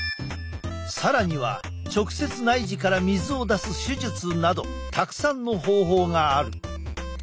更には直接内耳から水を出す手術などたくさんの方法がある。